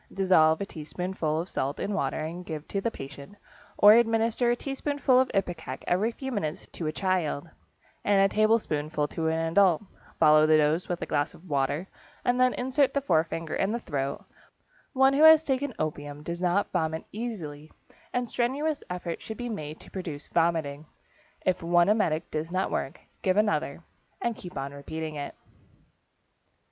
Dissolve a teaspoonful of salt in water and give to the patient, or administer a teaspoonful of ipecac every few minutes to a child, and a tablespoonful to an adult. Follow the dose with a glass of water and then insert the forefinger in the throat. One who has taken opium does not vomit easily and strenuous efforts should be made to produce vomiting. If one emetic does not work, give another, and keep on repeating it.